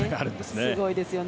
すごいですよね。